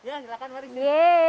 ya silakan mari